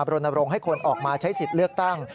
รณรงค์ให้คนออกมาใช้สิทธิ์เลือกตั้ง